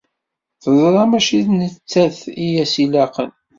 teẓra mačči d nettat i as-ilaqen.